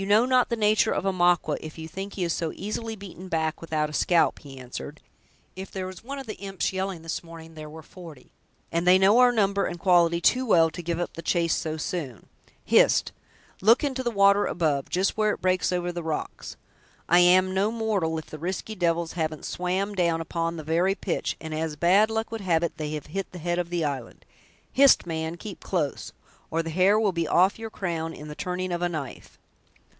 "You know not the nature of a Maqua, if you think he is so easily beaten back without a scalp!" he answered. "If there was one of the imps yelling this morning, there were forty! and they know our number and quality too well to give up the chase so soon. Hist! look into the water above, just where it breaks over the rocks. I am no mortal, if the risky devils haven't swam down upon the very pitch, and, as bad luck would have it, they have hit the head of the island. Hist! man, keep close! or the hair will be off your crown in the turning of a knife!"